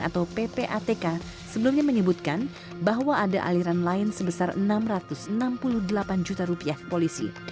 atau ppatk sebelumnya menyebutkan bahwa ada aliran lain sebesar rp enam ratus enam puluh delapan juta rupiah polisi